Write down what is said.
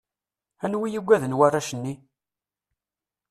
Anwa i ugaden warrac-nni?